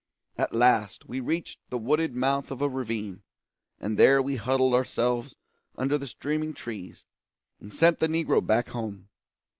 At last we reached the wooded mouth of a ravine, and there we huddled ourselves under the streaming trees, and sent the negro back home.